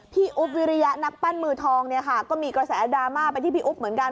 อุ๊บวิริยะนักปั้นมือทองเนี่ยค่ะก็มีกระแสดราม่าไปที่พี่อุ๊บเหมือนกัน